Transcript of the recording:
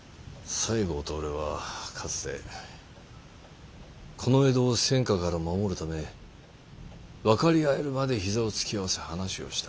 西郷と俺はかつてこの江戸を戦火から守るため分かり合えるまで膝を突き合わせ話をした。